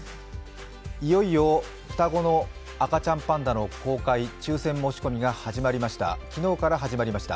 いよいよ双子の赤ちゃんパンダの公開、抽選申し込みが昨日から始まりました。